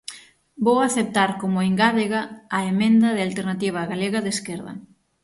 Vou aceptar como engádega a emenda de Alternativa Galega de Esquerda.